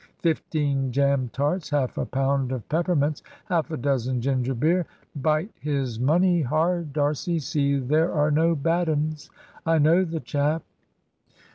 Fifteen jam tarts, half a pound of peppermints, half a dozen ginger beer. Bite his money hard, D'Arcy; see there are no bad 'uns. I know the chap!"